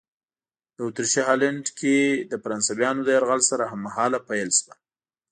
د اتریشي هالنډ کې د فرانسویانو له یرغل سره هممهاله پیل شوه.